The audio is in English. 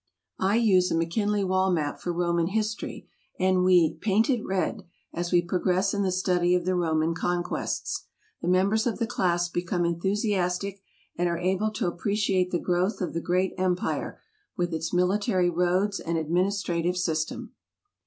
I use a McKinley wall map for Roman history, and we "paint it red" as we progress in the study of the Roman conquests. The members of the class become enthusiastic, and are able to appreciate the growth of the great empire, with its military roads and administrative system.